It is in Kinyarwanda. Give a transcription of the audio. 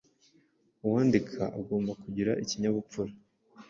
Uwandika agomba kugira ikinyabupfura,